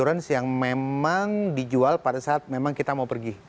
yang memang dijual pada saat memang kita mau pergi